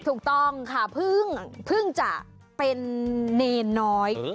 ถูกต้องค่ะเพิ่งจะเป็นเนรน้อย